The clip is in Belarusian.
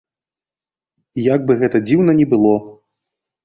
Як бы гэта дзіўна ні было.